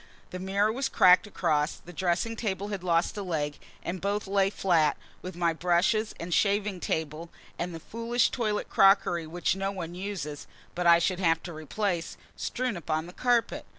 The mirror was cracked across; the dressing table had lost a leg; and both lay flat, with my brushes and shaving table, and the foolish toilet crockery which no one uses (but I should have to replace) strewn upon the carpet.